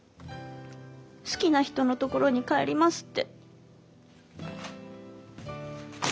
好きな人の所に帰りますって。